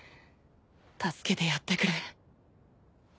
助けてやってくれ。